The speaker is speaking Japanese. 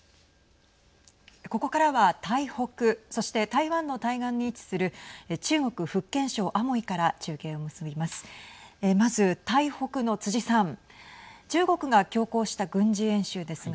ここからは台北そして、台湾の対岸に位置する中国、福建省アモイから中継を結びます。